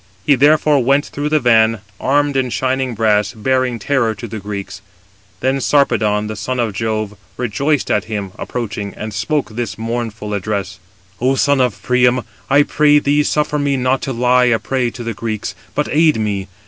He therefore went through the van, armed in shining brass, bearing terror to the Greeks: then Sarpedon, the son of Jove, rejoiced at him approaching, and spoke [this] mournful address: "O son of Priam, I pray thee, suffer me not to lie a prey to the Greeks, but aid me.